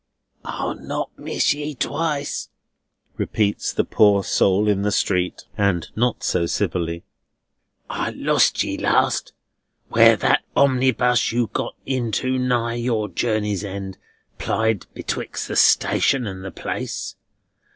"I'll not miss ye twice!" repeats the poor soul in the street, and not so civilly. "I lost ye last, where that omnibus you got into nigh your journey's end plied betwixt the station and the place.